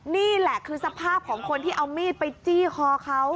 นี่แหละคือสภาพของคนที่เอามีดไปจี้คอเขา